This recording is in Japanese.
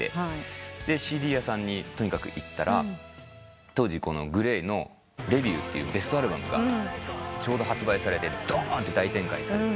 でＣＤ屋さんにとにかく行ったら当時ＧＬＡＹの『ＲＥＶＩＥＷ』っていうベストアルバムがちょうど発売されてどーんって大展開されていて。